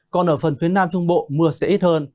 còn ở phần phía nam trung bộ mưa sẽ ít hơn